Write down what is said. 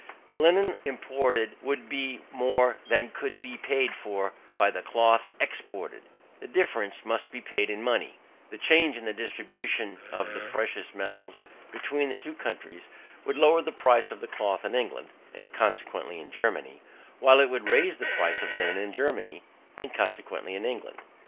The linen imported would be more than could be paid for by the cloth exported: the difference must be paid in money: the change in the distribution of the precious metals between the two countries would lower the price of cloth in England, (and consequently in Germany), while it would raise the price of linen in Germany, (and consequently in England).